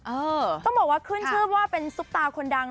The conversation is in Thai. ต้องบอกว่าขึ้นชื่อว่าเป็นซุปตาคนดัง